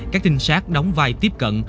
các tinh sát đóng vai tiếp cận